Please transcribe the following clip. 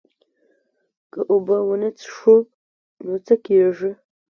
که اوبه ونه څښو نو څه کیږي